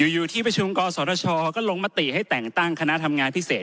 อยู่ที่ประชุมกศชก็ลงมติให้แต่งตั้งคณะทำงานพิเศษ